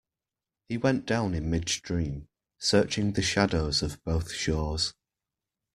He went down in midstream, searching the shadows of both shores.